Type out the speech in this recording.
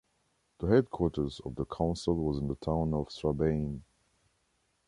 The headquarters of the council was in the town of Strabane.